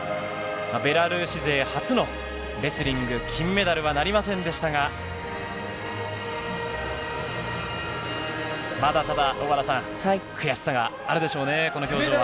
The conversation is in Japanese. ベラルーシ勢初のレスリング金メダルはなりませんでしたが、まだ、ただ、小原さん、悔しさがあるでしょうね、この表情は。